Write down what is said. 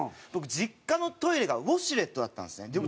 僕実家のトイレがウォシュレットだったんですね。